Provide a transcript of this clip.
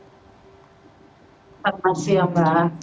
selamat siang mbak